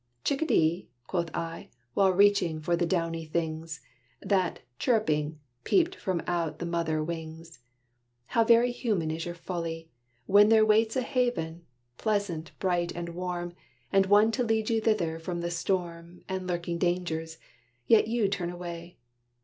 "Chick a dee," Quoth I, while reaching for the downy things That, chirping, peeped from out the mother wings, "How very human is your folly! When There waits a haven, pleasant, bright, and warm, And one to lead you thither from the storm And lurking dangers, yet you turn away.